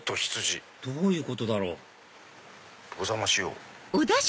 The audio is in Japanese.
どういうことだろうお邪魔しよう。